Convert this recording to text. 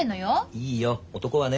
いいよ男はね